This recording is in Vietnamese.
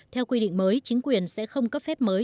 theo quy định mới chính quyền sẽ không cấp phép mới